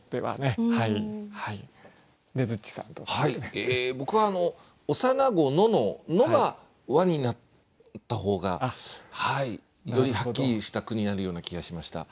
え僕は「幼子の」の「の」が「は」になった方がよりはっきりした句になるような気がしました。